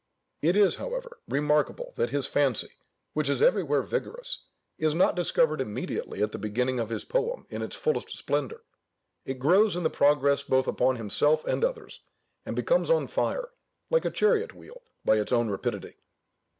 It is, however, remarkable, that his fancy, which is everywhere vigorous, is not discovered immediately at the beginning of his poem in its fullest splendour: it grows in the progress both upon himself and others, and becomes on fire, like a chariot wheel, by its own rapidity.